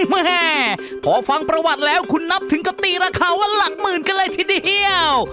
แม่พอฟังประวัติแล้วคุณนับถึงกับตีราคาว่าหลักหมื่นกันเลยทีเดียว